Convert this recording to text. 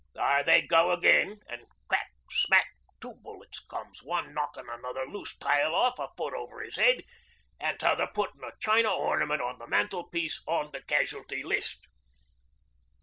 There they go again ," an' crack ... smack two bullets comes, one knockin' another loose tile off, a foot over 'is 'ead, an' t'other puttin' a china ornament on the mantel piece on the casualty list.